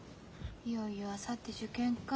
いよいよあさって受験か。